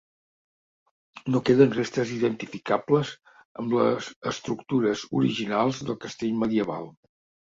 No queden restes identificables amb les estructures originals del castell medieval.